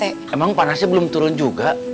emang panasnya belum turun juga